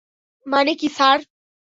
মানে কী, স্যার?